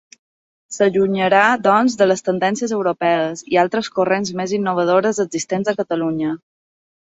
S'allunyarà doncs, de les tendències europees i altres corrents més innovadores existents a Catalunya.